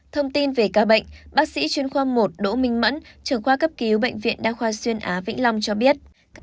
thông tin về ca bệnh bác sĩ chuyên khoa một đỗ minh mẫn trưởng khoa cấp cứu bệnh viện đa khoa xuyên á vĩnh long cho biết